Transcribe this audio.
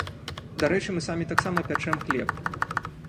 Дарэчы, мы самі таксама пячэм хлеб.